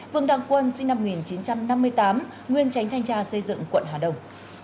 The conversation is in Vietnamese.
vương đăng quân sinh năm một nghìn chín trăm năm mươi tám nguyên tránh thanh tra xây dựng quận hà đông